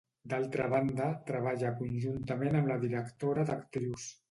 D'altra banda, treballa conjuntament amb la directora d'actrius.